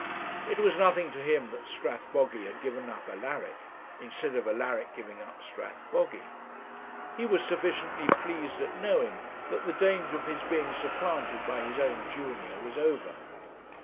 It was nothing to him that Strathbogy had given up Alaric instead of Alaric giving up Strathbogy. He was sufficiently pleased at knowing that the danger of his being supplanted by his own junior was over.